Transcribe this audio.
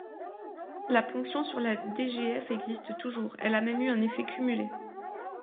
La ponction sur la DGF existe toujours, elle a même eu un effet cumulé.